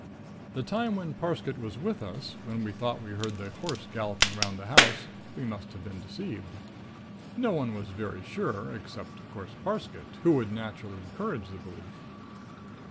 "The time when Parsket was with us, when we thought we heard the Horse galloping 'round the house, we must have been deceived. No one was very sure, except, of course, Parsket, who would naturally encourage the belief.